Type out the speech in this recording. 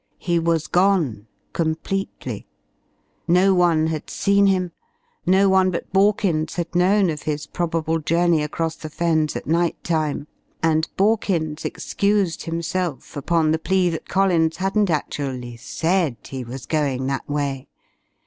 He was gone completely. No one had seen him, no one but Borkins had known of his probable journey across the Fens at night time, and Borkins excused himself upon the plea that Collins hadn't actually said he was going that way.